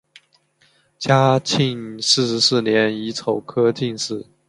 嘉靖四十四年乙丑科进士。